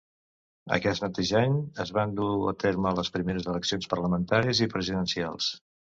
Aquest mateix any es van dur a terme les primeres eleccions parlamentàries i presidencials.